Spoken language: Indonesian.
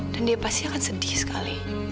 dan dia pasti akan sedih sekali